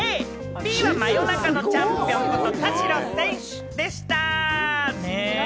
Ｂは真夜中のチャンピオンこと、田代選手でした。